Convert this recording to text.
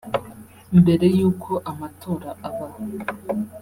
Mbere y’uko amatora aba